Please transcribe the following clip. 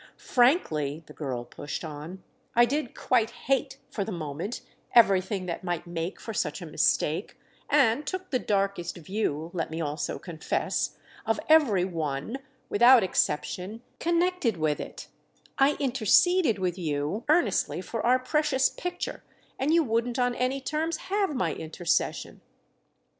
Frankly," the girl pushed on, "I did quite hate, for the moment, everything that might make for such a mistake; and took the darkest view, let me also confess, of every one, without exception, connected with it I interceded with you, earnestly, for our precious picture, and you wouldn't on any terms have my intercession.